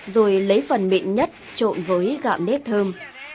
rồi lấy phần mịn nhất trộn với gạo nếp thơm